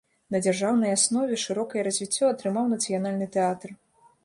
На дзяржаўнай аснове шырокае развіццё атрымаў нацыянальны тэатр.